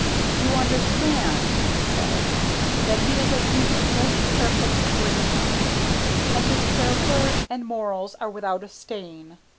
"You understand," he said, "that he is a youth of most careful bringing up, and his character and morals are without a stain.